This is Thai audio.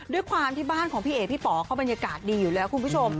ด้วยความที่บ้านของพี่เอ๋พี่ป๋อเขาบรรยากาศดีอยู่แล้วคุณผู้ชม